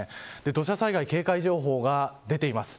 土砂災害警戒情報が出ています。